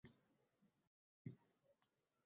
Mingta qayg‘u-alamdan